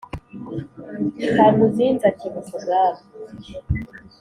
Kamuzinzi akebuka Umwami,